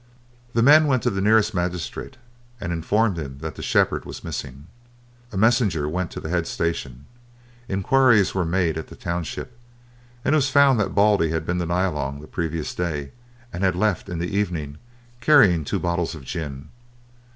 The men went to the nearest magistrate and informed him that the shepherd was missing. A messenger went to the head station. Enquiries were made at the township, and it was found that Baldy had been to Nyalong the previous day, and had left in the evening carrying two bottles of gin.